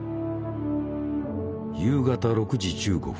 夕方６時１５分